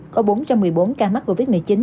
có bốn trăm một mươi bốn ca mắc covid một mươi chín